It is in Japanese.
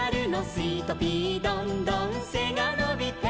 「スイトピーどんどん背が伸びて」